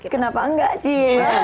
kenapa enggak sih